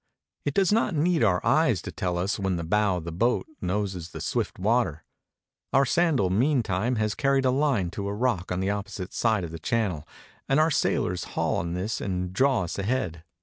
It does not need our eyes to tell us when the bow of the boat noses the swift water. Our sandal has mean time carried a line to a rock on the opposite side of the channel, and our sailors haul on this and draw us ahead.